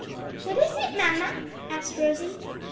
"What is it, mamma?" asked Rosie.